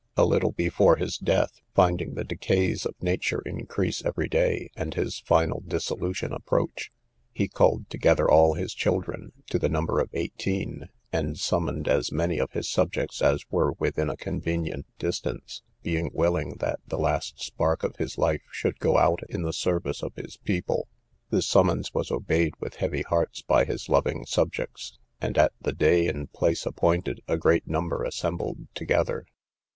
A little before his death, finding the decays of nature increase every day, and his final dissolution approach, he called together all his children, to the number of eighteen, and summoned as many of his subjects as were within a convenient distance, being willing that the last spark of his life should go out in the service of his people; this summons was obeyed with heavy hearts by his loving subjects, and, at the day and place appointed, a great number assembled together.